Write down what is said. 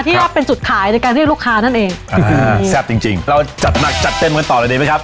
เรียกว่าเป็นจุดขายในการที่ลูกค้านั่นเองแซ่บจริงจริงเราจัดหนักจัดเต็มกันต่อเลยดีไหมครับ